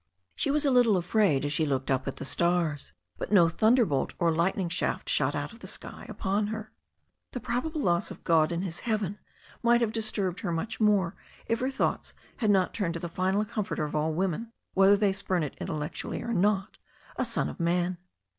She was a little afraid as she looked up at the stars. But no thunderbolt or lightning shaft shot out of the sky upon her. The probable loss of God in His heaven might have disturbed her much more if her thoughts had not turned to the final comforter of all woaeen, whether they spurn it in tellectually or not, a son of man.